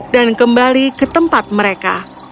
dan kembali ke tempat mereka